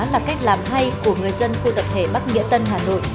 là cách làm hay của người dân khu tập thể bắc nghĩa tân hà nội